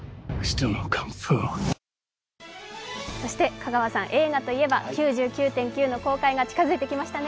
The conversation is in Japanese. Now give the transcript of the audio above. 香川さん、映画といえば「９９．９」の公開が近づいてきましたね。